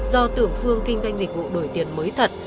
do tiểu phương kinh doanh dịch vụ đổi tiền mới thật